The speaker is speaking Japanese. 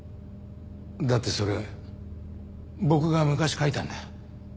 だってそれ僕が昔書いたんだ。